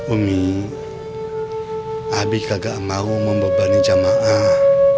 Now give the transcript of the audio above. umi abie kagak mau membebani jemaah